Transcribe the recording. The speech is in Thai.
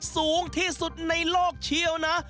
สูงที่สุดในโลกเชียวนะ